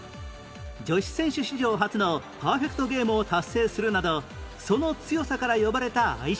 女子選手史上初のパーフェクトゲームを達成するなどその強さから呼ばれた愛称